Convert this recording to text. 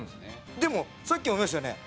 でもさっきも言いましたよね